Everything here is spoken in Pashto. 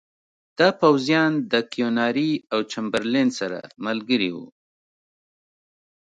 دا پوځیان د کیوناري او چمبرلین سره ملګري وو.